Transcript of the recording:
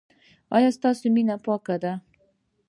ایا ستاسو مینه پاکه ده؟